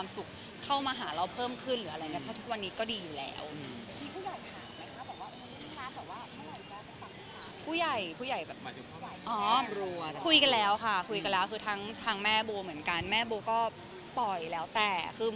สมัยนี้คือแบบนะมีอะไรให้ทำเยอะมาก